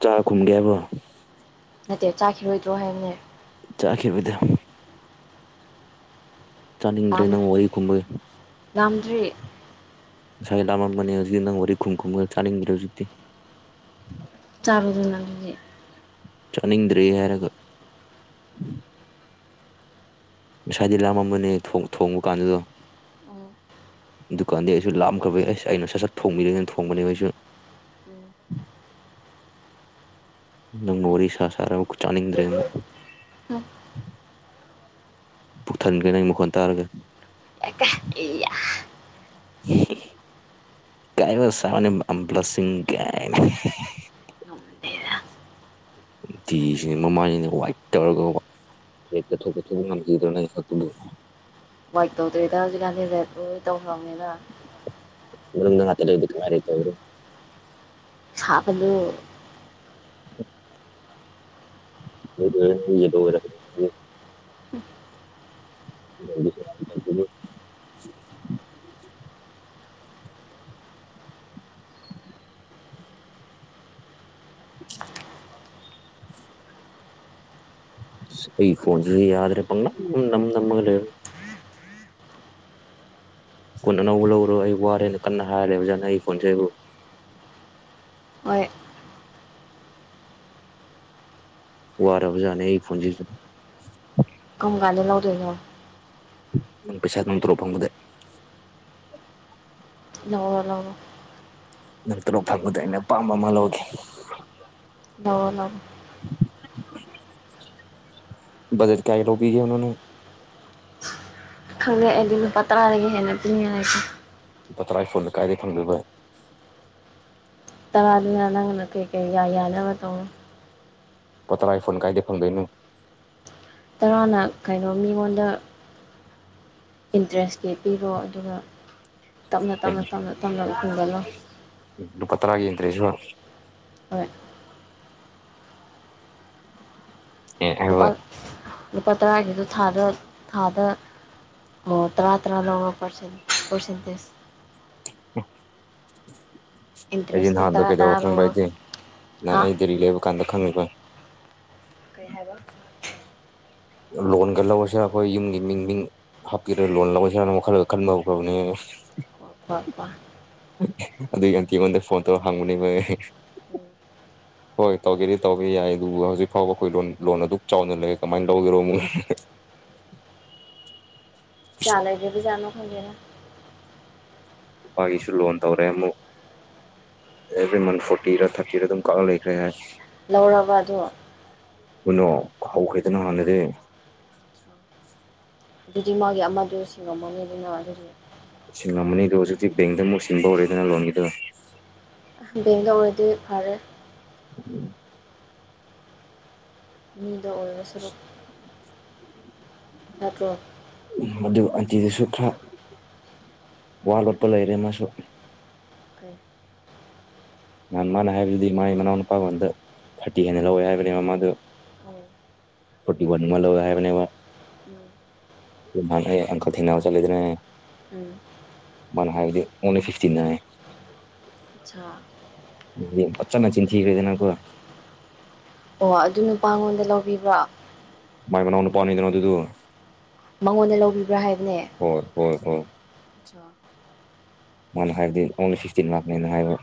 ꯆꯥ ꯈꯨꯝꯒꯦ ꯍꯥꯢꯕ꯭ꯔꯣ ꯅꯠꯇꯦ ꯆꯥꯈꯤꯔꯣꯏꯗ꯭ꯔꯣ ꯍꯥꯏꯕꯅꯦ ꯆꯥꯈꯤꯔꯣꯢꯗ ꯆꯥꯅꯤꯡꯗ꯭ꯔꯦ ꯂꯥꯝ ꯅꯪ ꯋꯥꯔꯤ ꯈꯨꯝꯕꯒꯤ ꯂꯥꯝꯗ꯭ꯔꯤ ꯉꯁꯥꯏ ꯂꯥꯃꯝꯕꯅꯦ ꯍꯧꯖꯤꯛ ꯅꯪ ꯋꯥꯔꯤ ꯈꯨꯝ ꯈꯨꯝꯃꯒ ꯆꯥꯅꯤꯡꯗ꯭ꯔꯦ ꯍꯨꯖꯤꯛꯇꯤ [unintelligible] ꯆꯥꯅꯤꯡꯗ꯭ꯔꯤ ꯍꯥꯏꯔꯒ ꯉꯁꯥꯏꯗꯤ ꯂꯥꯝꯃꯝꯕꯅꯦ ꯊꯣꯡ ꯊꯣꯡꯕ ꯀꯥꯟꯗ ꯗꯨꯝ ꯗꯨꯀꯥꯟꯗꯩꯩ ꯑꯩꯁꯨ ꯂꯥꯝꯈ꯭ꯔꯕꯩ ꯑꯩꯁ ꯑꯩꯅ ꯁꯠ ꯁꯠ ꯊꯣꯡꯕꯤ [unintelligible] ꯊꯣꯡꯕꯅꯦ ꯑꯩꯁꯨ ꯎꯝ [inaudible] ꯅꯪ ꯋꯥꯔꯤ ꯁꯥ ꯁꯥꯅ ꯑꯃꯨꯛꯀ ꯆꯥꯅꯤꯡꯗ꯭ꯔꯦ ꯃꯨꯛ ꯄꯨꯛ ꯊꯟꯒ꯭ꯔꯦ ꯅꯪꯒꯤ ꯃꯈꯣꯟ ꯇꯥꯔꯒ [inaudible] [unintelligible] ꯑꯝ ꯕ꯭ꯂꯥꯁꯤꯡ ꯀꯥꯏꯅ ꯍꯦ ꯍꯦ ꯍꯦ [unintelligible] ꯋꯥꯏꯠ ꯇꯧꯔꯒ ꯀ ꯍꯦꯛꯇ ꯊꯣꯛꯇ ꯊꯣꯛ ꯉꯝꯈꯤꯗ꯭ꯔꯣ ꯅꯪꯒꯤ ꯁꯛꯇꯨꯕꯨ ꯋꯥꯏꯠ ꯇꯧꯗ꯭ꯔꯦꯗ ꯍꯧꯖꯤꯛꯀꯥꯟꯗꯤ ꯔꯦꯠ ꯂꯣꯏ ꯇꯧꯈ꯭ꯔꯝꯅꯤꯗ ꯌꯨꯝꯗ ꯉꯥꯇ ꯂꯩꯕꯗꯤ ꯀꯔꯥꯏꯗꯩꯩ ꯇꯧꯗꯣꯏꯅꯣ ꯁꯥꯕꯅꯦ [inaudible] ꯔꯦꯗ ꯑꯣꯏꯔ ꯌꯦꯂꯣ ꯑꯣꯏꯔꯛꯀꯅꯤ ꯅꯪꯒꯤ [unintelligible] ꯁ ꯑꯩ ꯐꯣꯟꯖꯦ ꯌꯥꯗ꯭ꯔꯦ ꯄꯪꯅꯝ ꯅꯝ ꯅꯝꯃꯒ ꯂꯩꯔꯦ ꯐꯣꯟ ꯑꯅꯧꯕ ꯂꯧꯔꯣ ꯑꯩ ꯋꯥꯔꯦꯅ ꯀꯟꯅ ꯍꯥꯏꯔꯦ ꯑꯣꯖꯥꯅ ꯑꯩ ꯐꯣꯟꯁꯦ ꯕꯨ ꯍꯣꯏ ꯋꯥꯔꯕꯖꯥꯠꯅꯦ ꯑꯩ ꯐꯣꯟꯖꯤꯖꯨ ꯀꯝꯒꯥꯟꯗ ꯂꯧꯗꯣꯏꯅꯣ ꯅꯪ ꯄꯩꯁꯥ ꯅꯪ ꯇꯣꯂꯣꯞ ꯐꯪꯕꯗꯩ ꯂꯧꯔꯣ ꯂꯧꯔꯣ ꯅꯪ ꯇꯣꯂꯣꯞ ꯐꯪꯕꯗ ꯑꯩꯅ ꯑꯄꯥꯝꯕ ꯑꯃ ꯂꯧꯒꯦ ꯂꯧꯔꯣ ꯂꯧꯔꯣ ꯕꯖꯦꯠ ꯀꯌꯥꯒꯤ ꯂꯧꯕꯤꯒꯦ ꯍꯥꯏꯕꯅꯣ ꯅꯪ ꯈꯪꯂꯦ ꯑꯩꯗꯤ ꯂꯨꯄꯥ ꯇꯔꯥꯗꯒꯤ ꯍꯦꯟꯅ ꯄꯤꯅꯤꯡꯉꯥꯏ ꯂꯩꯇꯦ ꯂꯨꯄꯥ ꯇꯔꯥꯏ ꯐꯣꯟꯗꯤ ꯀꯔꯥꯏꯗꯩ ꯐꯪꯗꯣꯏꯕ ꯇꯔꯥꯗꯨꯅ ꯅꯪꯅ ꯀꯩ ꯀꯩ ꯌꯥ ꯌꯥꯅꯕ ꯇꯧꯔꯣ ꯂꯨꯄꯥ ꯇꯔꯥꯏ ꯐꯣꯟ ꯀꯥꯏꯗꯩ ꯐꯪꯗꯣꯏꯅꯣ ꯇꯔꯥꯅ ꯀꯩꯅꯣ ꯃꯤꯉꯣꯟꯗ ꯏꯟꯇ꯭ꯔꯦꯁ ꯀꯤ ꯄꯤꯔꯣ ꯑꯗꯨꯒ ꯇꯞꯅ ꯇꯞꯅ ꯇꯞꯅ ꯇꯞꯅ ꯍꯨꯟꯒꯠꯂꯣ ꯂꯨꯄꯥ ꯇꯔꯥꯒꯤ ꯏꯟꯇꯔꯦꯁꯔꯣ ꯍꯣꯏ ꯑꯦ ꯂꯨꯄꯥ ꯑꯧꯒ ꯂꯨꯄꯥ ꯇꯔꯥꯒꯤꯗꯨ ꯊꯥꯗ ꯊꯥꯗ ꯃꯣ ꯇꯔꯥ ꯇꯔꯥ ꯂꯧꯔꯣ ꯄꯔꯁꯦꯟ ꯄꯔꯁꯦꯟꯇꯦꯁ [inaudible] ꯑꯩꯖꯦ ꯏꯟꯇꯔꯦꯁꯇꯣ ꯅꯍꯥꯟꯗꯣ ꯇꯔꯥ ꯀꯩꯗꯧꯌ ꯇꯔꯥ ꯈꯪꯕ꯭ꯔ ꯂꯧꯔꯣ ꯑꯩꯗꯤ ꯅꯍꯥꯟ ꯍꯥ ꯑꯩ ꯗꯦꯂꯤ ꯂꯩꯕ ꯀꯥꯟꯗ ꯈꯪꯕ ꯀꯩ ꯍꯥꯏꯕꯥ ꯂꯣꯟꯒ ꯂꯧꯔꯁꯤꯔ ꯑꯈꯣꯏ ꯌꯨꯝꯒꯤ ꯃꯤꯡ ꯃꯤꯡ ꯍꯥꯞꯀꯤꯔ ꯂꯣꯟ ꯂꯧꯔꯁꯤꯔꯅ ꯋꯥꯈꯜꯒ ꯈꯟꯕ ꯍꯧꯈ꯭ꯔꯕꯅꯦ ꯄꯄꯥ ꯑꯗꯨꯢ ꯑꯟꯇꯤ ꯉꯣꯟꯗ ꯐꯣꯟ ꯇꯧꯔ ꯍꯪꯕꯅꯦꯕ ꯑꯩ [inaudible] ꯍꯣꯏ ꯇꯧꯒꯦꯗꯤ ꯇꯧꯕ ꯌꯥꯏ ꯑꯗꯨ ꯍꯧꯖꯤꯛ ꯐꯥꯎꯕ ꯈꯣꯏ ꯂꯣꯟ ꯂꯣꯟ ꯑꯗꯨꯛ ꯆꯥꯎꯅ ꯂꯩꯔ ꯀꯃꯥꯏꯅ ꯂꯧꯗꯣꯏꯔꯣ ꯃꯨꯛ [inaudible] ꯀ꯭ꯌꯥ ꯂꯩꯔꯤꯕ ꯖꯥꯠꯅꯣ ꯈꯣꯗꯦꯗꯥ ꯅꯨꯄꯥꯒꯤꯁꯨ ꯂꯣꯟ ꯇꯧꯔꯦ ꯑꯃꯨꯛ ꯑꯦꯚ꯭ꯔꯤ ꯃꯟ ꯐꯣꯔꯇꯤꯔꯥ ꯊꯥꯔꯇꯤꯔ ꯑꯗꯨꯝ ꯀꯥꯛꯑ ꯂꯩꯈ꯭ꯔꯦ ꯍꯥꯏ ꯂꯧꯔꯕ ꯑꯗꯣ ꯀꯣꯏꯅꯣ ꯍꯧꯈ꯭ꯔꯦꯗ ꯅꯍꯥꯟꯗꯩꯗꯤ ꯑꯗꯨꯗꯤ ꯃꯥꯒꯤ ꯑꯃꯗꯨ ꯁꯤꯡꯉꯝꯃꯅꯤ ꯑꯗꯨꯅꯥ ꯑꯗꯨꯗꯤ ꯁꯤꯡꯉꯝꯃꯅꯤ ꯑꯗꯣ ꯍꯧꯖꯤꯛꯇꯤ ꯕꯦꯡꯗ ꯑꯃꯨꯛ ꯁꯤꯡꯕ ꯍꯧꯔꯦꯗꯅ ꯂꯣꯟꯒꯤꯗꯣ ꯕꯦꯡꯗ ꯑꯣꯢꯔꯗꯤ ꯐꯔꯦ ꯎꯝ ꯃꯤꯗ ꯑꯣꯏꯔꯣ ꯁꯔꯨꯛ ꯅꯠꯇ꯭ꯔꯣ ꯃꯗꯨ ꯑꯟꯇꯤꯗꯨꯁꯨ ꯈꯔ ꯋꯥ ꯂꯣꯠꯄ ꯂꯩꯔꯦ ꯃꯥꯁꯨ ꯀꯩ ꯅꯍꯥꯟ ꯃꯥꯅ ꯍꯥꯏꯕꯗꯨꯗꯤ ꯃꯥꯢ ꯃꯅꯥꯎ ꯅꯨꯨꯄꯥꯉꯣꯟꯗ ꯊꯥꯔꯇꯤ ꯍꯦꯟꯅ ꯂꯧꯋꯦ ꯍꯥꯏꯕꯅꯦꯕ ꯃꯥꯗꯣ ꯎꯝ ꯐꯣꯔꯇꯤ ꯋꯥꯟꯒꯨꯝꯕ ꯂꯧꯋꯦ ꯍꯥꯏꯕꯅꯦꯕ ꯎꯝ ꯅꯍꯥꯟ ꯑꯩ ꯑꯪꯀꯜ ꯊꯦꯡꯅꯕ ꯆꯠꯂꯦꯗꯅ ꯑꯩ ꯎꯝ ꯃꯥꯅ ꯍꯥꯢꯗꯤ ꯑꯣꯡꯂꯤ ꯐꯤꯐꯇꯤꯅꯥꯢꯟ ꯑꯠꯁꯥ ꯗꯨꯗꯤ ꯐꯖꯟꯅ ꯆꯤꯟꯊꯤꯔꯦ ꯅꯪꯀꯣ ꯑꯣ ꯑꯗꯨ ꯅꯨꯄꯥꯉꯣꯟꯗ ꯂꯧꯕꯤꯕ꯭ꯔꯣ ꯃꯥꯥꯏ ꯃꯅꯥꯎꯅꯨꯄꯥꯅꯤꯗꯅ ꯑꯗꯨꯗꯨ ꯃꯉꯣꯟꯗ ꯂꯧꯕꯤꯕ꯭ꯔꯥ ꯍꯥꯏꯕꯅꯦ ꯑꯧ ꯑꯠꯁꯥ ꯃꯥꯅ ꯍꯥꯏꯕꯗꯤ ꯑꯣꯡꯂꯤ ꯐꯤꯐꯇꯤꯟ ꯂꯥꯛꯅꯦꯅ ꯍꯥꯏꯕ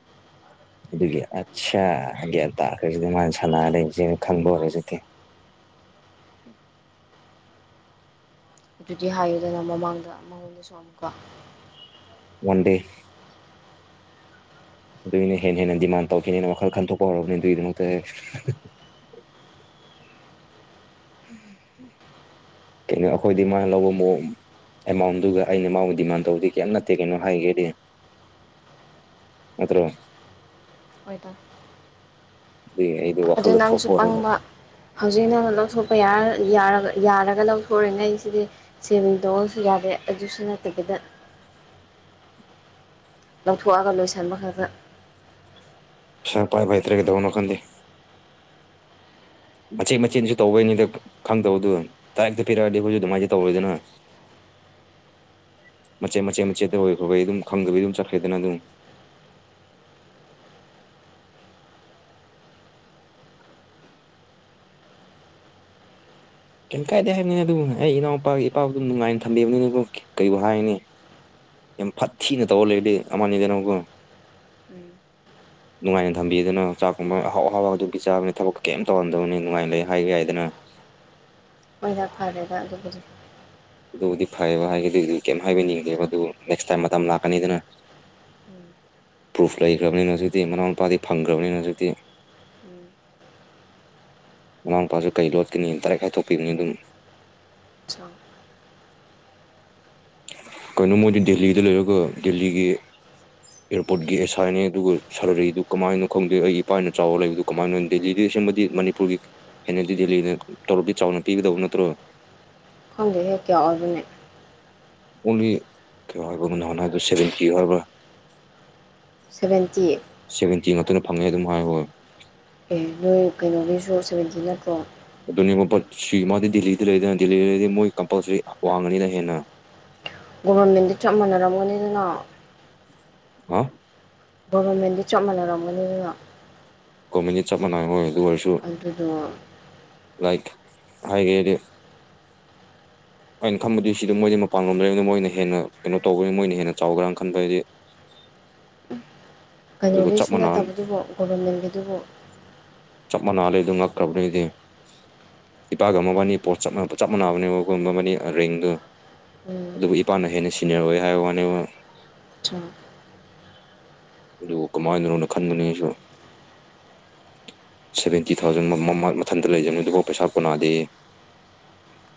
[inaudible] ꯑꯗꯨꯒꯤ ꯑꯠꯁꯥ ꯒ꯭ꯌꯥꯟ ꯇꯥꯈ꯭ꯔꯦ ꯃꯥꯅ ꯁꯥꯟꯅꯔ ꯂꯩꯕꯖꯦ ꯈꯪꯕ ꯍꯧꯖꯤꯛꯊꯤ [inaudible] ꯑꯗꯨꯗꯤ ꯍꯥꯏꯌꯨꯗꯅ ꯃꯃꯥꯡꯗ ꯃꯉꯣꯟꯗꯁꯨ ꯑꯃꯨꯛꯀ ꯋꯥꯟ ꯗꯦ ꯑꯗꯨꯏꯅꯦ ꯍꯦꯟꯅ ꯍꯦꯟꯅ ꯗꯤꯃꯥꯟ ꯇꯧꯒꯦꯅ ꯋꯥꯈꯜ ꯈꯟꯗꯣꯛꯄ ꯍꯧꯔꯛꯂꯤꯗꯨꯒꯤꯗꯃꯛꯇ [unintelligible] [inaudible] ꯀꯩꯅꯣ ꯑꯈꯣꯏꯗꯤ ꯃꯥꯅ ꯂꯧꯕ ꯃꯑꯣꯡ ꯑꯦꯃꯥꯎꯟꯗꯨꯒ ꯑꯩꯅ ꯃꯥꯕꯨ ꯗꯤꯃꯥꯟ ꯇꯧꯗꯤ ꯀꯩꯝ ꯅꯠꯇꯦ ꯀꯩꯅꯣ ꯍꯥꯏꯒꯦꯗꯤ ꯅꯠꯇ꯭ꯔꯣ ꯍꯣꯏꯗ ꯑꯗꯨꯒꯤ ꯑꯩꯗꯤ ꯑꯗꯨ ꯋꯥꯈꯜꯗ ꯅꯪꯁꯨ ꯊꯣꯛꯄ ꯍꯧꯔꯦꯕ ꯄꯪꯕ ꯍꯧꯖꯤꯛꯅ ꯂꯧꯊꯣꯛꯄ ꯌꯥꯔ ꯌꯥꯔꯒ ꯌꯥꯔꯒ ꯂꯧꯊꯣꯔꯛꯏꯅꯦ ꯑꯩꯁꯤꯗꯤ ꯁꯤꯔꯤꯟ ꯇꯧꯑꯣꯁꯨ ꯌꯥꯗꯦ ꯑꯖꯨꯁꯨ ꯅꯠꯇꯕꯤꯗ ꯂꯧꯊꯣꯛꯑꯒ ꯂꯣꯏꯁꯟꯕ ꯈꯛꯇ ꯁꯦꯜ ꯄꯥꯢꯕ ꯍꯩꯇ꯭ꯔꯦ ꯀꯩꯗꯧꯅꯣ ꯈꯪꯗꯦ ꯃꯆꯦꯠ ꯃꯆꯦꯁꯨ ꯇꯧꯕꯩꯅꯤꯗ ꯈꯪꯗꯕꯗꯨ ꯗꯥꯏꯔꯦꯛꯇ ꯄꯤꯔꯛꯑꯗꯤ ꯑꯩꯈꯣꯏꯁꯨ ꯗꯨꯃꯥꯏꯅꯗꯤ ꯇꯧꯔꯣꯏꯗꯅ [inaudible] ꯃꯆꯦꯠ ꯃꯆꯦꯠ ꯃꯆꯦꯠꯇ ꯑꯣꯢꯈ꯭ꯔꯕꯩ ꯑꯗꯨꯝ ꯈꯪꯗꯕꯤ ꯑꯗꯨꯝ ꯆꯠꯈ꯭ꯔꯦꯗꯅ ꯑꯗꯨꯝ [inaudible] ꯀꯩꯝ ꯀꯥꯏꯗꯦ ꯍꯥꯏꯝꯅꯤ ꯑꯗꯨꯕꯨ ꯑꯩ ꯏꯅꯥꯎꯄꯥꯒ ꯏꯄꯥꯕꯨ ꯅꯨꯡꯉꯥꯏꯅ ꯊꯝꯕꯤꯕꯅꯤꯅꯀꯣ ꯀꯩꯕꯨ ꯍꯥꯏꯅꯤ [inaudible] ꯌꯥꯝ ꯐꯠꯊꯤꯅ ꯇꯧꯔ ꯂꯩꯗꯤ ꯑꯃꯅꯤꯗꯅꯀꯣ [inaudible] ꯅꯨꯡꯉꯥꯏꯅ ꯊꯝꯕꯤꯗꯅ ꯆꯥꯛꯀꯨꯝꯕ ꯑꯍꯥꯎ ꯑꯍꯥꯎꯕ ꯑꯗꯨꯒꯤ ꯆꯥꯕꯅꯤ ꯊꯕꯛ ꯀꯦꯝ ꯇꯧꯍꯟꯗꯕꯅꯦ ꯅꯨꯡꯉꯥꯏꯅ ꯂꯩ ꯍꯥꯏ ꯌꯥꯏꯗꯅ ꯍꯣꯢꯗ ꯐꯔꯦꯗ ꯑꯗꯨꯕꯨꯗꯤ ꯑꯗꯨꯕꯨꯗꯤ ꯐꯩꯌꯦꯕ ꯍꯥꯏꯕꯗꯤ ꯀꯩꯝ ꯍꯥꯏꯕꯤꯅꯤꯡꯗꯦꯕ ꯑꯗꯨ ꯅꯦꯛꯁ ꯇꯥꯏꯝ ꯃꯇꯝ ꯂꯥꯛꯀꯅꯤꯗꯅ ꯄ꯭ꯔꯨꯐ ꯂꯩꯈ꯭ꯔꯕꯅꯤꯅ ꯍꯧꯖꯤꯛꯇꯤ ꯃꯅꯥꯎꯅꯨꯄꯥꯗꯤ ꯐꯪꯈ꯭ꯔꯕꯅꯤꯅ ꯍꯧꯖꯤꯛꯇꯤ [unintelligible] ꯃꯅꯥꯎꯄꯥꯁꯨ ꯀꯩ ꯂꯣꯠꯀꯅꯤ ꯗꯥꯏꯔꯦꯛ ꯍꯥꯏꯊꯣꯛꯄꯤꯝꯅꯦ ꯑꯗꯨꯝ ꯀꯩꯅꯣ ꯃꯣꯏꯗꯤ ꯗꯦꯜꯂꯤꯗ ꯂꯩꯔꯒ ꯗꯦꯜꯂꯤꯒꯤ ꯑꯦꯔꯄꯣꯔꯠꯀꯤ ꯑꯦꯁꯥꯏꯅꯦ ꯑꯗꯨꯒ ꯁꯔꯔꯤꯗꯨ ꯀꯃꯥꯏꯅꯣ ꯈꯪꯗꯦ ꯑꯩꯒꯤ ꯏꯄꯥꯅ ꯆꯥꯎ ꯂꯩꯕꯗꯨ ꯀꯃꯥꯏꯅ ꯗꯦꯂꯤꯗꯤ ꯑꯁꯦꯡꯕꯗꯤ ꯃꯅꯤꯄꯨꯔꯒꯤ ꯍꯦꯟꯅꯗꯤ ꯗꯦꯜꯂꯤꯅ ꯇꯣꯂꯣꯞꯇꯤ ꯆꯥꯎꯅ ꯄꯤꯒꯗꯧꯕ ꯅꯠꯇ꯭ꯔꯣ ꯈꯪꯗꯦꯍꯦ ꯀ꯭ꯌꯥ ꯑꯣꯏꯕ꯭ꯔꯅꯦ ꯑꯣꯡꯂꯤ ꯀ꯭ꯌꯥ ꯍꯥꯏꯕꯅꯣ ꯅꯍꯥꯟ ꯍꯥꯏꯗꯣ ꯁꯕꯦꯟꯇꯤ ꯍꯥꯏꯕ꯭ꯔ ꯁꯚꯦꯟꯇꯤ ꯉꯥꯛꯇꯅ ꯐꯪꯉꯦ ꯑꯗꯨꯝꯍꯥꯏ ꯕꯒ ꯑꯦ ꯅꯣꯏ ꯀꯩꯅꯣꯒꯤꯁꯨ ꯁꯕꯦꯟꯇꯤ ꯅꯠꯇ꯭ꯔꯣ ꯑꯗꯨꯅꯤꯕ ꯕꯠꯁꯤ ꯃꯥꯗꯤ ꯗꯤꯜꯂꯤꯗ ꯂꯩꯗꯅ ꯗꯦꯜꯂꯤꯗꯗꯤ ꯃꯣꯏ ꯀꯝꯄꯜꯁꯔꯤ ꯋꯥꯡꯉꯅꯤꯅ ꯍꯦꯟꯅ ꯒꯣꯚ꯭ꯔꯃꯦꯟꯗꯤ ꯆꯞ ꯃꯥꯟꯅꯔꯝꯒꯅꯤꯗꯅ ꯍꯥ ꯒꯣꯕ꯭ꯔꯃꯦꯟꯗꯤ ꯆꯞ ꯃꯥꯟꯅꯔꯝꯒꯅꯤꯗꯅ ꯒꯣꯕ꯭ꯔꯃꯦꯟꯗꯤ ꯆꯞ ꯃꯥꯟꯅꯩ ꯍꯣꯏ ꯑꯗꯨ ꯑꯣꯏꯔꯁꯨ ꯑꯗꯨꯗꯣ ꯂꯥꯏꯛ ꯍꯥꯏꯒꯦꯗꯤ ꯑꯩꯅ ꯈꯟꯕꯗꯤ ꯁꯤꯗ ꯃꯣꯏꯗꯤ ꯃꯄꯥꯟꯂꯣꯝ ꯂꯩꯅꯤꯅ ꯃꯣꯏꯅ ꯍꯦꯟꯅ ꯀꯩꯅꯣ ꯇꯧꯕꯅꯤ ꯃꯣꯏꯅ ꯍꯦꯟꯅ ꯆꯥꯎꯒ꯭ꯦꯔꯥꯅ ꯈꯟꯕ ꯑꯩꯗꯤ [inaudible] ꯑꯗꯨꯒ ꯆꯞ ꯀꯩꯅꯣꯒꯤꯁꯨ ꯃꯥꯟꯅ ꯅꯠꯇꯕꯗꯨꯕꯨ ꯒꯣꯚ꯭ꯔꯃꯦꯟꯒꯤꯗꯨꯕꯨ ꯆꯞ ꯃꯥꯟꯅ ꯂꯩꯕꯗꯨ ꯉꯛꯈ꯭ꯔꯕꯅꯤ ꯑꯩꯗꯤ ꯏꯄꯥꯒ ꯃꯕꯥꯅꯤ ꯄꯣꯁꯠ ꯆꯞ ꯆꯞ ꯃꯥꯟꯅꯕꯅꯦꯀꯣ ꯃꯕꯥꯅꯤ ꯑ ꯔꯦꯡꯗꯨ ꯎꯝ ꯑꯗꯨꯕꯨ ꯏꯄꯥꯅ ꯍꯦꯟꯅ ꯁꯤꯅꯤꯌꯔ ꯑꯣꯏ ꯍꯥꯏꯕ ꯋꯥꯅꯦꯕ [inaudible] ꯑꯗꯨ ꯀꯃꯥꯏꯅꯅꯣꯅ ꯈꯟꯕꯅꯦ ꯑꯩꯁꯨ ꯁꯚꯦꯟꯇꯤ ꯊꯥꯎꯖꯟ ꯃꯥ ꯃꯥ ꯃꯊꯟꯇ ꯂꯩꯖꯅꯨ ꯑꯗꯨꯕꯥꯎ ꯄꯩꯁꯥ ꯀꯣꯟꯅꯗꯦꯌꯦ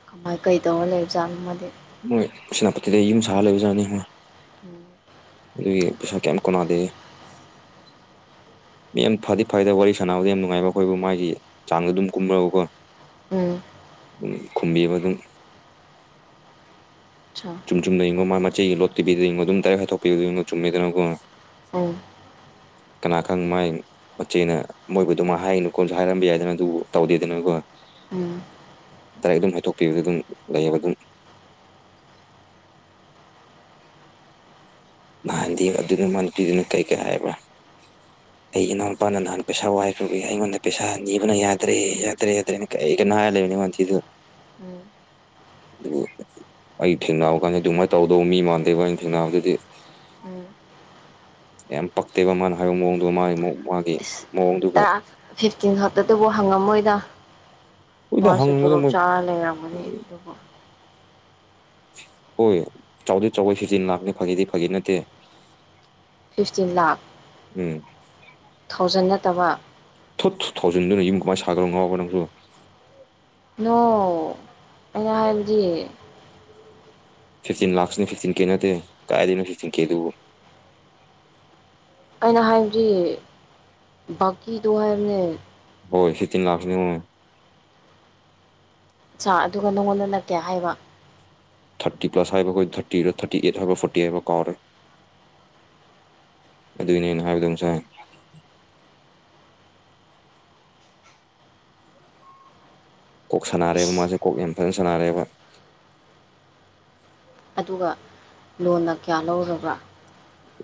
ꯀꯃꯥꯏ ꯀꯩꯗꯧꯔ ꯂꯩꯖꯥꯠꯅꯣ ꯃꯥꯗꯤ ꯃꯣꯏ ꯁꯦꯅꯥꯄꯠꯇꯤꯗ ꯌꯨꯝ ꯁꯥꯔ ꯂꯩꯕꯖꯥꯠꯅꯤ ꯃꯥ ꯎꯝ ꯑꯗꯨꯒꯤ ꯄꯩꯁꯥ ꯀꯩꯝ ꯀꯣꯟꯅꯗꯦꯌꯦ [inaudible] ꯃꯤ ꯌꯥꯝ ꯐꯗꯤ ꯐꯩꯗ ꯋꯥꯔꯤ ꯁꯥꯟꯅꯕꯗ ꯌꯥꯝ ꯅꯨꯡꯉꯥꯏꯕ ꯑꯩꯈꯣꯏꯕꯨ ꯃꯥꯒꯤ ꯆꯥꯡꯗꯣ ꯑꯗꯨꯝ ꯀꯨꯝꯔꯒꯀꯣ ꯎꯝ ꯈꯨꯝꯕꯤꯕ ꯑꯗꯨꯝ ꯆꯥ ꯆꯨꯝ ꯆꯨꯝꯗ ꯌꯦꯡꯉꯣ ꯃꯥꯒꯤ ꯃꯆꯩꯒꯤ ꯂꯣꯠꯇꯕꯤꯗ ꯌꯦꯡꯉꯣ ꯑꯗꯨꯝ ꯗꯥꯏꯔꯦꯛ ꯍꯥꯏꯗꯣꯛꯄꯤꯕꯗ ꯌꯦꯡꯉꯣ ꯆꯨꯝꯃꯦꯗꯅꯀꯣ ꯎꯝ ꯀꯅꯥꯈꯪ ꯃꯥꯏ ꯃꯆꯦꯅ ꯃꯣꯏꯕꯨꯗꯣ ꯑꯗꯨꯃꯥꯏ ꯍꯥꯏꯅꯨ ꯀꯣꯟꯁꯨ ꯍꯥꯏꯔꯝꯕ ꯌꯥꯏꯗꯅ ꯑꯗꯨꯕꯨ ꯇꯧꯗꯦꯗꯅꯀꯣ ꯎꯝ ꯗꯥꯏꯔꯦꯛ ꯑꯗꯨꯝ ꯍꯥꯏꯗꯣꯛꯄꯤꯕꯗ ꯑꯗꯨꯝ ꯂꯩꯌꯦꯕ ꯑꯗꯨꯝ ꯅꯍꯥꯟꯗꯤ ꯑꯗꯨꯅ ꯃꯥꯅꯨꯄꯤꯗꯨꯅꯣ ꯀꯩ ꯀꯩ ꯍꯥꯏꯕ꯭ꯔꯥ [inaudible] ꯑꯩꯒꯤ ꯏꯅꯥꯎ ꯅꯨꯄꯥꯅ ꯅꯍꯥꯟ ꯄꯩꯁꯥ ꯋꯥꯏꯈ꯭ꯔꯕꯒꯤ ꯑꯩꯉꯣꯟꯗ ꯄꯩꯁꯥ ꯅꯤꯕꯅ ꯌꯥꯗ꯭ꯔꯦ ꯌꯥꯗ꯭ꯔꯦ ꯌꯥꯗ꯭ꯔꯦꯅ ꯀꯩ ꯀꯩꯅꯣ ꯍꯥꯏ ꯂꯩꯕꯅꯤ ꯃꯉꯥꯟ ꯊꯤꯗ ꯎꯝ ꯑꯗꯨ ꯑꯩ ꯊꯦꯡꯅꯕ ꯀꯥꯟꯗ ꯑꯗꯨꯃꯥꯏꯅ ꯇꯧꯗꯧꯕ ꯃꯤ ꯃꯥꯟꯗꯦꯕ ꯑꯩꯅ ꯊꯦꯡꯅꯕꯗꯗꯤ ꯎꯝ ꯌꯥꯝ ꯄꯛꯇꯦꯕ ꯃꯥꯅ ꯍꯥꯏꯕ ꯃꯑꯣꯡꯗꯣ ꯃꯥꯢ ꯃꯑꯣꯡ ꯃꯥꯥꯒꯤ ꯥ ꯇ ꯐꯤꯐꯇꯤꯟ ꯈꯛꯇꯗꯨꯕꯨ ꯍꯪꯉꯝꯃꯣꯏꯗ ꯍꯣꯏꯗ ꯃꯥꯁꯨ ꯍꯪꯕꯗ ꯇꯂꯣꯞ ꯃꯣꯏ ꯆꯥꯅ ꯂꯩꯔꯝꯒꯅꯤ ꯑꯗꯨꯕꯨ ꯍꯣꯏ ꯆꯥꯎꯗꯤ ꯆꯥꯋꯦ ꯁꯤꯖꯤ ꯂꯥꯛꯅꯤ ꯐꯥꯒꯤꯗꯤ ꯐꯥꯒꯤ ꯅꯠꯇꯦ ꯐꯤꯐꯇꯤꯟ ꯎꯝ ꯂꯥꯈ ꯊꯥꯎꯖꯟ ꯅꯠꯇꯕ ꯀꯨꯟꯗꯨꯅ ꯌꯨꯝ ꯀꯃꯥꯏ ꯁꯥꯗꯧꯅꯣ ꯉꯥꯎꯕ꯭ꯔꯥ ꯅꯪꯁꯨ ꯅꯣ ꯑꯩꯅ ꯍꯥꯏꯕꯗꯤ ꯐꯤꯐꯇꯤꯟ ꯂꯥꯛꯁ ꯅꯦ ꯐꯤꯞꯇꯤꯟ ꯀꯦ ꯅꯠꯇꯦ ꯀꯥꯏꯗꯩꯅꯣ ꯐꯤꯐꯇꯤꯟ ꯀꯦꯗꯨꯕꯣ ꯑꯩꯅ ꯍꯥꯏꯕꯗꯤ ꯕꯥꯀꯤꯗꯣ ꯍꯥꯏꯕꯅꯦ ꯍꯣꯏ ꯐꯤꯞꯇꯤꯟ ꯂꯥꯛꯁꯅꯤꯉꯣ ꯁꯥ ꯑꯗꯨꯒ ꯅꯉꯣꯟꯗꯅ ꯀꯌꯥ ꯍꯥꯏꯕ ꯐꯤꯞꯇꯤ ꯄ꯭꯭ꯂꯁ ꯍꯥꯏꯕ꯭ꯔꯥ ꯀꯣ ꯊꯥꯔꯇꯤ ꯔ ꯊꯥꯔꯇꯤ ꯑꯩꯠ ꯍꯥꯏꯕꯔ ꯐꯣꯔꯇꯤ ꯍꯥꯏꯕꯔ ꯀꯥꯎꯔꯦ ꯑꯗꯨꯏꯅꯦ ꯑꯩꯅ ꯍꯥꯏꯕꯗꯣ ꯉꯁꯥꯏ ꯀꯣꯛ ꯁꯥꯟꯅꯔꯦꯕ ꯏꯁ ꯃꯥꯁꯦ ꯀꯣꯛ ꯌꯥꯝ ꯐꯖꯅ ꯁꯥꯟꯅꯔꯦꯕ ꯑꯗꯨꯒ ꯂꯣꯟꯅ ꯀꯌꯥ ꯂꯧꯔꯕ꯭ꯔꯥ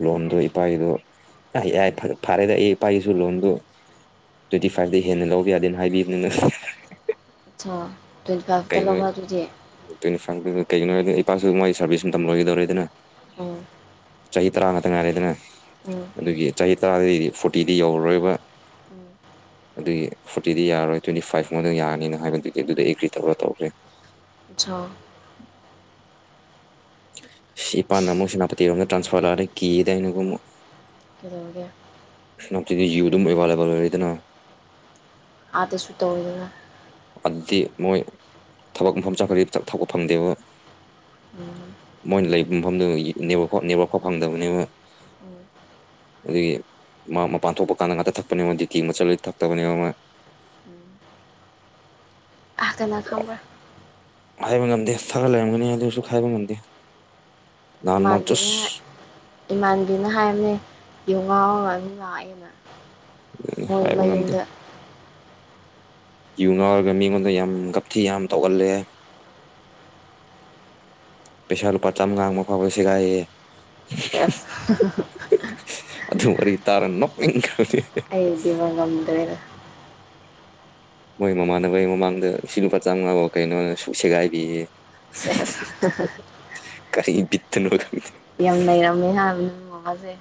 ꯂꯣꯟꯗꯣ ꯏꯄꯥꯒꯤꯗꯣ ꯑꯩ ꯌꯥꯥꯢ ꯐꯔ ꯐꯔꯦꯗꯤ ꯑꯩ ꯏꯄꯥꯒꯤꯁꯨ ꯂꯣꯟꯗꯨ ꯇ꯭ꯋꯦꯟꯇꯤ ꯐꯥꯢꯐꯇꯒꯤ ꯍꯦꯟꯅ ꯂꯧꯕ ꯌꯥꯗꯦꯅ ꯍꯥꯏꯕꯤꯕ ꯅ ꯑꯆꯥ ꯇ꯭ꯋꯦꯟꯇꯤ ꯐꯥꯢꯐꯇ ꯂꯧꯕ ꯑꯗꯨꯗꯤ ꯇ꯭ꯋꯦꯟꯇꯤ ꯐꯥꯏꯚꯇ ꯀꯩꯒꯤꯅꯣ ꯍꯥꯏꯕꯗ ꯏꯄꯥꯁꯨ ꯃꯣꯢ ꯁꯥꯔꯚꯤꯁ ꯃꯇꯝ ꯂꯣꯏꯒꯗꯧꯔꯦꯗꯅ ꯎꯝ ꯆꯍꯤ ꯇꯔꯥ ꯉꯇ ꯉꯥꯏꯔꯦꯗꯅ ꯎꯝ ꯑꯗꯨꯒꯤ ꯆꯍꯤ ꯇꯔꯥꯗꯩꯗꯤ ꯐꯣꯔꯇꯤꯗꯤ ꯌꯧꯔꯔꯣꯏꯕ ꯎꯝ ꯑꯗꯨꯒꯤ ꯐꯣꯔꯇꯤꯗꯤ ꯌꯥꯔꯣꯏ ꯇ꯭ꯋꯦꯟꯇꯤ ꯐꯥꯏꯐ ꯈꯛꯇꯪ ꯌꯥꯔꯅꯤꯅ ꯍꯥꯏꯕꯗꯨꯒꯤ ꯑꯗꯨꯗꯤ ꯑꯩ ꯀ꯭ꯔꯤ ꯇꯧꯔ ꯇꯧꯈ꯭ꯔꯦ ꯁꯣ ꯏꯄꯥꯥꯅ ꯑꯃꯨꯛ ꯁꯦꯅꯥꯄꯇꯤꯔꯣꯝꯗ ꯇ꯭ꯔꯥꯟꯁꯐꯔ ꯂꯥꯛꯑꯗꯤ ꯀꯤꯌꯦꯗꯅ ꯑꯩꯅ ꯀꯣ ꯑꯃꯨꯛ ꯀꯩꯗꯧꯔꯒꯦ ꯁꯅꯥꯞꯇꯤꯗꯤ ꯌꯨ ꯑꯗꯨꯝ ꯑꯦꯕꯥꯢꯂꯦꯕꯜ ꯑꯣꯏꯔꯦꯗꯅ ꯑꯗꯁꯨ ꯇꯧꯔꯤꯕꯔ ꯑꯗꯨꯗꯤ ꯃꯣꯏ ꯊꯕꯛ ꯃꯐꯝ ꯆꯠꯈ꯭ꯔꯗꯤ ꯊꯛꯄ ꯐꯪꯗꯦꯕ ꯎꯝ ꯃꯣꯏꯅ ꯂꯩꯕ ꯃꯐꯝꯗꯨ ꯅꯦꯋꯛ ꯅꯦꯠꯋꯛꯐꯥꯎ ꯐꯪꯗꯕꯅꯦꯕ ꯎꯝ ꯑꯗꯨꯒꯤ ꯃꯥ ꯃꯄꯥꯟ ꯊꯣꯛꯄ ꯀꯥꯟꯗ ꯉꯥꯛꯇ ꯊꯛꯄꯅꯦꯕ ꯗꯨꯇꯤꯒꯨꯝꯕ ꯆꯠꯂꯗꯤ ꯊꯛꯇꯕꯅꯦꯕ ꯃꯥ ꯎꯝ ꯀꯅ ꯈꯪꯕ꯭ꯔꯥ ꯍꯥꯏꯕ ꯉꯝꯗꯦ ꯊꯛꯑ ꯂꯩꯔꯝꯒꯅꯤ ꯑꯗꯨꯁꯨ ꯍꯥꯏꯕ ꯉꯝꯗꯦ ꯅꯍꯥꯟ ꯃꯥ ꯏꯃꯥꯟꯕꯤꯅ ꯍꯥꯢ ꯖꯁ ꯏꯃꯥꯟꯕꯤꯅ ꯍꯥꯏꯕꯅꯦ ꯌꯨ ꯉꯥꯎꯔꯒ ꯑꯗꯨꯝ ꯂꯥꯛꯑꯦꯅ ꯎ ꯃꯣꯏ ꯍꯥꯏꯕ ꯉꯝꯗꯦ ꯃꯌꯨꯝꯗ ꯌꯨ ꯉꯥꯎꯔꯒ ꯃꯤꯉꯣꯟꯗ ꯌꯥꯝ ꯒꯞꯊꯤ ꯌꯥꯝ ꯇꯧꯒꯜꯂꯦ ꯄꯩꯁꯥ ꯂꯨꯄꯥ ꯆꯝꯉꯥ ꯑꯃꯐꯥꯎꯕ ꯁꯦꯒꯥꯏꯌꯦ ꯁꯦꯁ ꯑꯗꯨ ꯋꯥꯔꯤ ꯇꯥꯔ ꯅꯣꯛꯅꯤꯡ ꯈ꯭ꯔꯕꯅꯤ ꯑꯩꯗꯤꯕ ꯉꯝꯗ꯭ꯔꯦꯗ ꯃꯣꯏ ꯃꯃꯥꯟꯅꯕꯩ ꯃꯃꯥꯡꯗ ꯁꯤ ꯂꯨꯄꯥ ꯆꯥꯝꯃꯉꯥꯕꯨ ꯀꯩꯅꯣꯅ ꯁꯨꯛ ꯁꯦꯒꯥꯏꯕꯤꯌꯦ ꯁꯦꯁ ꯍꯍ ꯀꯔꯤ ꯕꯤꯠꯇꯅꯣ ꯈꯪꯗꯦ ꯌꯥꯝ ꯅꯩꯔꯝꯃꯦ ꯍꯥ ꯅꯪ ꯃꯃꯥꯁꯦ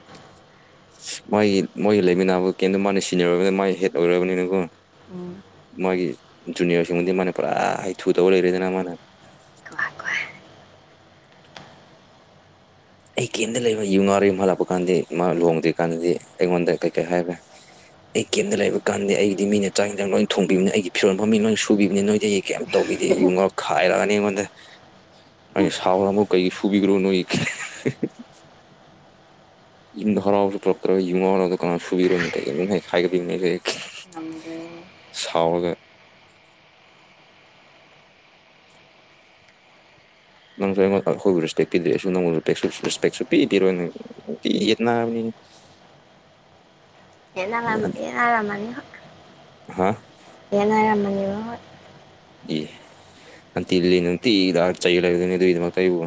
ꯃꯣꯢꯒꯤ ꯃꯣꯏꯒꯤ ꯂꯩꯃꯤꯟꯅꯕ ꯀꯦꯝꯇꯣ ꯃꯥꯅ ꯁꯤꯅꯤꯌꯔ ꯑꯣꯏꯕꯅꯤꯅ ꯃꯥꯅ ꯍꯦꯠ ꯑꯣꯏꯔꯕꯅꯤꯅꯀꯣ ꯎꯝ ꯃꯥꯒꯤ ꯖꯨꯅꯤꯌꯔꯁꯤꯡꯕꯨꯗꯤ ꯃꯥꯅ ꯄꯨꯔꯥ ꯍꯩꯊꯨ ꯇꯧꯔ ꯂꯩꯔꯦꯗꯅ ꯃꯥꯅ [unintelligible] ꯑꯩ ꯀꯦꯝꯗ ꯂꯩꯕ ꯌꯨ ꯉꯥꯎꯔꯦ ꯃꯥ ꯂꯥꯛꯄ ꯀꯥꯟꯗꯤ ꯏꯃꯥ ꯂꯨꯍꯣꯡꯗ꯭ꯔꯤ ꯀꯥꯟꯗꯗꯤ ꯑꯩꯉꯣꯟꯗ ꯀꯩ ꯀꯩ ꯍꯥꯏꯕ꯭ꯔꯦ ꯑꯩ ꯀꯦꯝꯗ ꯂꯩꯕ ꯀꯥꯟꯗ ꯑꯩꯒꯤꯗꯤ ꯃꯤꯅ ꯆꯥꯛ ꯑꯦꯟꯁꯥꯡ ꯂꯣꯏ ꯊꯣꯡꯕꯤꯕꯅꯦ ꯑꯩꯒꯤ ꯐꯤꯔꯣꯟ ꯐꯥꯎ ꯃꯤꯅ ꯂꯣꯏ ꯁꯨꯕꯤꯕꯅꯤ ꯅꯣꯏꯗꯤ ꯀꯩꯝ ꯇꯧꯕꯤꯗꯦ ꯌꯨ ꯉꯥꯎꯔꯒ ꯈꯥꯏꯔꯛꯑꯅꯤ ꯃꯤꯉꯣꯟꯗ ꯃꯥ ꯁꯥꯎꯔ ꯑꯃꯨꯛ ꯀꯩꯒꯤ ꯁꯨꯕꯤꯒꯔꯣ ꯅꯣꯏ ꯍꯍ [inaudible] ꯌꯨꯝꯗ ꯍꯔꯥꯎꯅ ꯄꯨꯔꯛꯇ꯭ꯔꯥꯒ ꯌꯨ ꯉꯥꯎꯔꯒ ꯑꯗꯨ ꯅꯥꯅ ꯁꯨꯕꯤꯔꯨꯅꯤ ꯀꯥꯢ ꯅꯩꯈꯥꯢꯕꯅꯦ ꯈꯦꯈꯦ ꯉꯝꯗꯦ ꯁꯥꯎꯔꯒ ꯅꯪꯁꯨ ꯑꯩꯉꯣꯟꯗ ꯑꯩꯈꯣꯏꯕꯨ ꯔꯦꯁꯄꯦꯛ ꯄꯤꯗ꯭ꯔꯦ ꯑꯩꯁꯨ ꯅꯪꯕꯨ ꯔꯦꯁꯄꯦꯛ ꯁꯨꯄꯤ ꯄꯤꯔꯣꯏ ꯅ ꯅꯨꯡꯇꯤꯒꯤ ꯌꯦꯠꯅꯕꯅꯦ [inaudible] ꯌꯦꯟꯅꯔꯝ ꯌꯦꯟꯅꯔꯃꯅꯤ ꯍ ꯍꯥ ꯗꯠ ꯏ ꯑꯟꯇꯤ ꯂꯤꯂꯤꯅ ꯅꯨꯡꯇꯤꯒꯤ ꯂꯥꯛꯑꯒ ꯆꯩ ꯂꯩꯗꯣꯢꯅꯦ ꯑꯗꯨꯒꯤꯗꯃꯛꯇ ꯑꯩꯕꯨ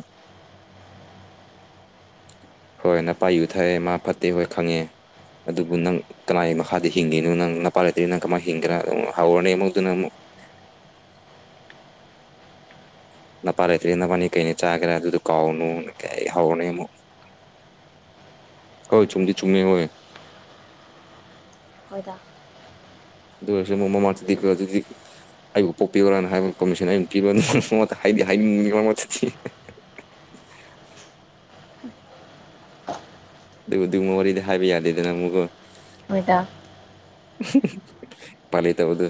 ꯍꯣꯏ ꯅꯄꯥ ꯌꯨ ꯊꯛꯑꯦ ꯃꯥ ꯐꯠꯇꯦ ꯍꯣꯏ ꯈꯪꯉꯦ ꯑꯗꯨꯕꯨ ꯅꯪ ꯀꯅꯥꯏ ꯃꯈꯥꯗ ꯍꯤꯡꯉꯤꯅꯣ ꯅꯪ ꯅꯄꯥ ꯂꯩꯇ꯭ꯔꯗꯤ ꯅꯪ ꯀꯃꯥꯏ ꯍꯤꯡꯒꯦꯔꯥ ꯍꯥꯎꯔꯅꯤ ꯑꯃꯨꯛꯗꯨꯅ ꯑꯃꯨꯛ [inaudible] ꯅꯄꯥ ꯂꯩꯇ꯭ꯔꯦ ꯅꯕꯥꯅꯤ ꯀꯩꯅ ꯆꯥꯒꯦꯔꯥ ꯑꯗꯨꯗꯣ ꯀꯥꯎꯅꯨ ꯀꯦ ꯍꯥꯎꯔꯅꯤ ꯑꯃꯨꯛ ꯀꯣꯏ ꯆꯨꯝꯗꯤ ꯆꯨꯝꯃꯦ ꯍꯣꯏ ꯍꯣꯏꯗꯥ ꯑꯗꯨ ꯑꯣꯏꯔꯁꯨ ꯃꯣꯃꯣ ꯃꯥꯔꯇꯗꯤꯀꯣ ꯑꯗꯨꯗꯤ ꯑꯩꯕꯨ ꯄꯣꯛꯄꯤꯕ꯭ꯔꯥꯅ ꯍꯥꯏꯕ ꯄꯃꯤꯁꯟ ꯑꯩꯅ ꯄꯤꯕ꯭ꯔꯥ ꯍꯥꯏꯗꯤ ꯍꯥꯏꯅꯤꯡꯕꯅꯤ ꯃꯔꯛ ꯃꯔꯛꯇꯗꯤ [inaudible] ꯑꯗꯨꯕꯨ ꯗꯨꯒꯨꯝꯕ ꯋꯥꯔꯤꯗꯤ ꯍꯥꯏꯕ ꯌꯥꯗꯦꯗꯅꯥ ꯑꯃꯨꯛꯀꯣ ꯍꯣꯏꯗ ꯍ ꯍ ꯎꯄꯥꯏ ꯂꯩꯇꯕꯗꯨ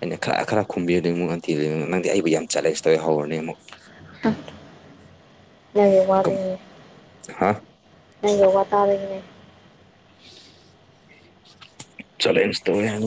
ꯑꯩꯅ ꯈ꯭ꯔ ꯈ꯭ꯔ ꯈꯨꯝꯕꯤꯔꯗꯤ ꯃꯨꯛ ꯑꯟꯇꯤ ꯗꯨꯅ ꯅꯪꯗꯤ ꯑꯩꯕꯨ ꯌꯥꯝ ꯆꯦꯂꯦꯟꯖ ꯇꯧꯋꯦ ꯍꯧꯔꯅꯤ ꯑꯃꯨꯛ [unintelligible] ꯅꯪꯒꯤ ꯋꯥꯗꯨꯅꯤ ꯍꯥ ꯅꯪꯒꯤ ꯋꯥꯇꯥ ꯗꯨꯒꯤꯅꯦ ꯆꯂꯦꯟꯖ ꯇꯧꯋꯦ ꯍꯥꯏ